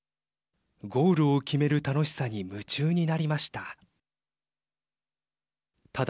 ゴールを決める楽しさに夢中になりました。